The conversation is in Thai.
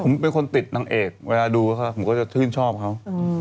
ผมเป็นคนติดนางเอกเวลาดูผมก็จะชื่นชอบเขา